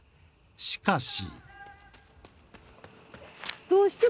しかし。